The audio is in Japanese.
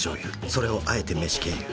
それをあえて飯経由。